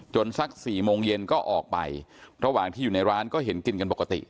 สัก๔โมงเย็นก็ออกไประหว่างที่อยู่ในร้านก็เห็นกินกันปกติ